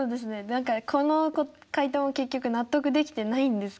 何かこの回答も結局納得できてないんですけど。